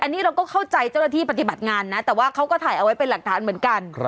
อันนี้เราก็เข้าใจเจ้าหน้าที่ปฏิบัติงานนะแต่ว่าเขาก็ถ่ายเอาไว้เป็นหลักฐานเหมือนกัน